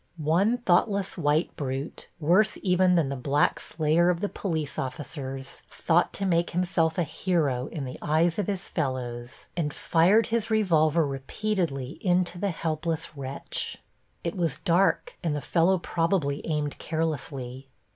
One thoughtless white brute, worse even than the black slayer of the police officers, thought to make himself a hero in the eyes of his fellows and fired his revolver repeatedly into the helpless wretch. It was dark and the fellow probably aimed carelessly.